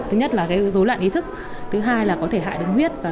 thứ nhất là dối loạn ý thức thứ hai là có thể hại đường huyết